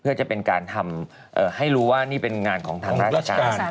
เพื่อจะเป็นการทำให้รู้ว่านี่เป็นงานของทางราชการ